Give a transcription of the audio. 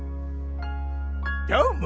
どーも！